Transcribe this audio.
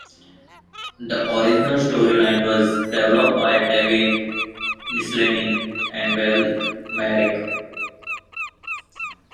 The original storyline was developed by David Michelinie and Val Mayerik.